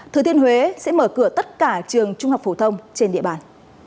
thừa thiên huế sẽ mở cửa tất cả trường trung học phổ thông trên địa bàn